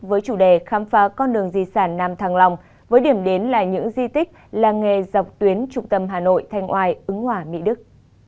với chủ đề khám phá con đường di sản nam thăng long với điểm đến là những di tích làng nghề dọc tuyến trung tâm hà nội thanh oai ứng hòa mỹ đức